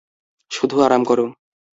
শুধু আরাম করো।